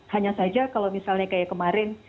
hanya saja kalau misalnya kayak kemarin